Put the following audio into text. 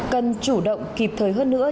cần chủ động kịp thời hơn nữa